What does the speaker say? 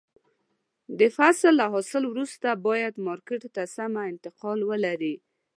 د فصل له حاصل وروسته باید مارکېټ ته سمه انتقال ولري.